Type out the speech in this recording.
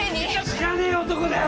知らねえ男だよ！